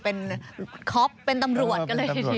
เป็นคอปเป็นตำรวจก็เลย